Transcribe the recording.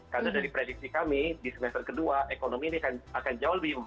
karena dari prediksi kami di semester kedua ekonomi ini akan jauh lebih membaik